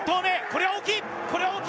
これは大きい！